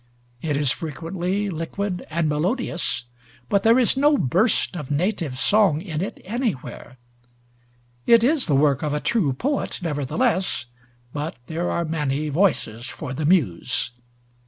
It is frequently liquid and melodious, but there is no burst of native song in it anywhere. It is the work of a true poet, nevertheless; but there are many voices for the Muse.